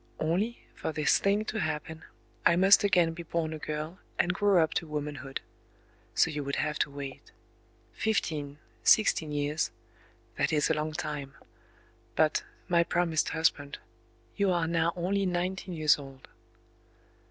Only, for this thing to happen, I must again be born a girl, and grow up to womanhood. So you would have to wait. Fifteen—sixteen years: that is a long time... But, my promised husband, you are now only nineteen years old."...